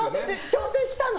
調整したの。